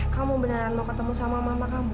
kamu beneran mau ketemu sama mama kamu